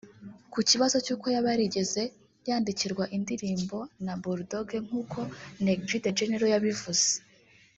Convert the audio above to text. Ku kibazo cy’uko yaba yarigeze yandikirwa indirimbo na Bulldogg nkuko Neg G the General yabivuze